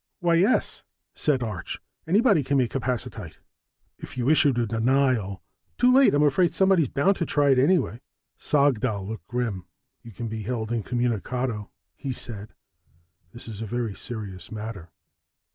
"Why, yes," said Arch. "Anybody can make capacitite." "If you issued a denial " "Too late, I'm afraid. Somebody's bound to try it anyway." Sagdahl looked grim. "You can be held incommunicado," he said. "This is a very serious matter."